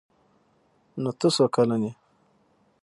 _نوته څو کلن يې؟